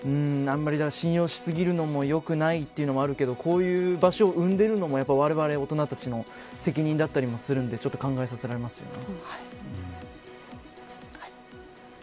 だから、あんまり信用しすぎるのも良くないというのもあるけどこういう場所を生んでいるのもわれわれ、大人たちの責任であったりもするんでやっぱり考えさせられますよね。